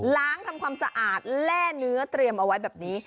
ทำความสะอาดแร่เนื้อเตรียมเอาไว้แบบนี้